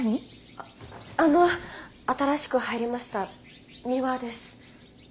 あっあの新しく入りましたミワです。